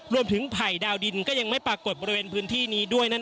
ไผ่ดาวดินก็ยังไม่ปรากฏบริเวณพื้นที่นี้ด้วยนั่น